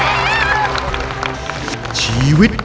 ร้องจาน